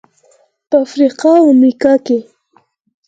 په افریقا او امریکا کې.